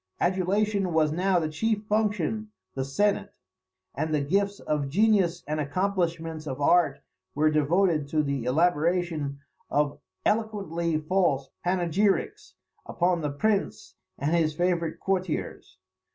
Adulation was now the chief function the senate: and the gifts of genius and accomplishments of art were devoted to the elaboration of eloquently false panegyrics upon the prince and his favourite courtiers.